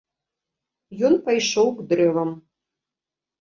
Ён пайшоў к дрэвам.